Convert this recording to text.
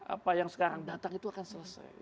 apa yang sekarang datang itu akan selesai